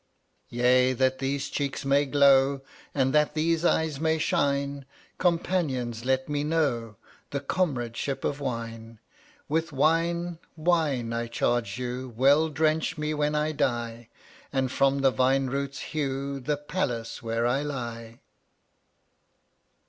1 54 Yea, that these cheeks may glow And that these eyes may shine, Companions, let me know The comradeship of wine. With wine, wine, I charge you, Well drench me when I die And from the vine roots hew The palace where I lie.